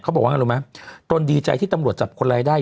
เขาบอกว่าอย่างนั้นรู้ไหมต้นดีใจที่ตำรวจจับคนรายได้